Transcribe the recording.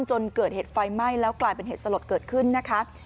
จนเกิดเหตุไฟไหม้แล้วกลายเป็นเหตุสลดเกิดขึ้นนะคะ